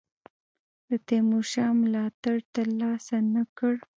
د تیمورشاه ملاتړ تر لاسه نه کړ.